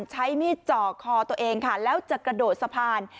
ใช้มีดจ่อคอตัวเองค่ะแล้วจะกระโดดสะพาน